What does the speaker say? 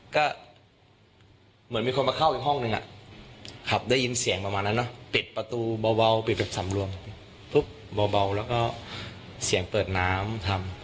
ก็เหมือนมีคนมาเข้าอีกห้องนึงขับได้ยินเสียงประมาณนั้นนะปิดประตูเบาปิดแบบสำรวมปุ๊บเบาแล้วก็เสียงเปิดน้ำทำ